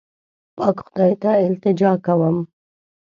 پاک خدای ته التجا کوم.